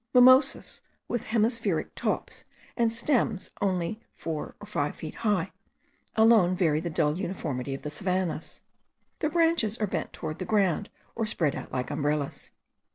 Mimosas with hemispheric tops, and stems only four or five feet high, alone vary the dull uniformity of the savannahs. Their branches are bent towards the ground or spread out like umbrellas.